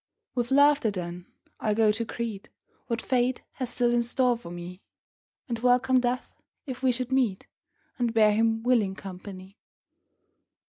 With laughter, then, I'll go to greet What Fate has still in store for me, And welcome Death if we should meet, And bear him willing company.